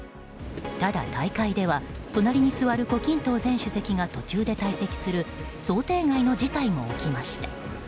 ただ、大会では隣に座る胡錦涛前主席が途中で退席する想定外の事態も起きました。